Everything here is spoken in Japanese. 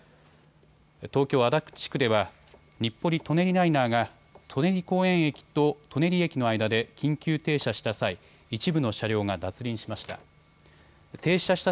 東京足立区では日暮里・舎人ライナーが舎人公園駅と舎人駅の間で緊急停車した際、一部の車両が脱輪しました。